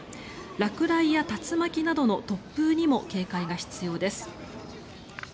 落雷や竜巻などの突風にも警戒が必要です。